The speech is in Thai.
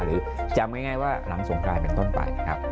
หรือจำได้ไงว่ารังศูนย์กลายเป็นต้นไปนะครับ